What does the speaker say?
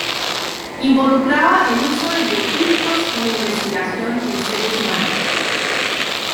Involucraba el uso de bioquímicos en investigación en seres humanos.